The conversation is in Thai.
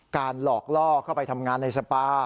หลอกล่อเข้าไปทำงานในสปา